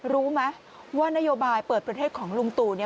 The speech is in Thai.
รู้ไหมว่านโยบายเปิดประเทศของลุงตู่เนี่ย